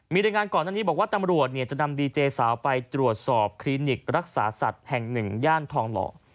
มีรายงานก่อนหน้านี้บอกว่าตำรวจจะนำดีเจสาวไปตรวจสอบคลินิกรักษาสัตว์แห่งหนึ่งย่านทองหล่อ